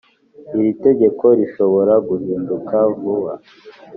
iri tegeko rishobora guhinduka vuba